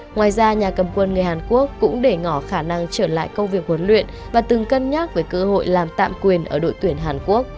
ngoài ra nhà cầm quân người hàn quốc cũng để ngỏ khả năng trở lại công việc huấn luyện và từng cân nhắc về cơ hội làm tạm quyền ở đội tuyển hàn quốc